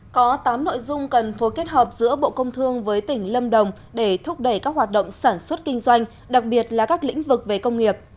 có tám nội dung cần phối kết hợp giữa bộ công thương với tỉnh lâm đồng để thúc đẩy các hoạt động sản xuất kinh doanh đặc biệt là các lĩnh vực về công nghiệp